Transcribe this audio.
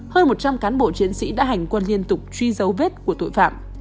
hơn một trăm linh cán bộ chiến sĩ đã hành quân liên tục truy dấu vết của tội phạm